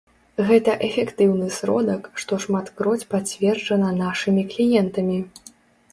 Гэта эфектыўны сродак, што шматкроць пацверджана нашымі кліентамі.